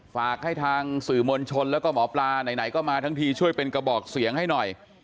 ฝากให้ทางสื่อมวลชนแล้วก็หมอปลาไหนก็มาทั้งทีช่วยเป็นกระบอกเสียงให้หน่อย